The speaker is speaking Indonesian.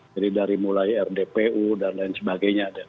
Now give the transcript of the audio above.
jadi dari mulai rdpu dan lain sebagainya